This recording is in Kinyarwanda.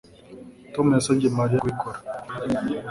Tom yasabye Mariya kubikora